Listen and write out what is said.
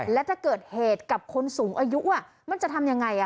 และถ้าเกิดเหตุกับคนสูงอายุมันจะทำยังไง